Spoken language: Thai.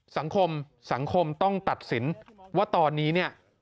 สังคมสังคมต้องตัดสินว่าตอนนี้เนี่ย